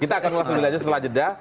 kita akan ngelakuin aja setelah jeda